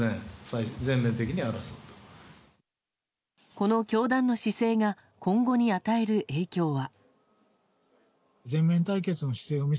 この教団の姿勢が今後に与える影響は。